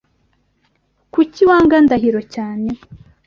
kuki Wanga Ndahiro cyane?